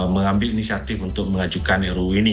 mengambil inisiatif untuk mengajukan ru ini